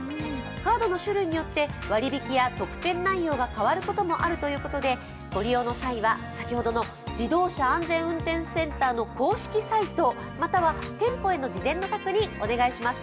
カードの種類によって割り引きや特典内容も変わることもあるのでご利用の際は先ほどの自動車安全運転センターの公式サイトまたは店舗への事前の確認、お願いします。